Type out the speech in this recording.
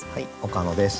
岡野です。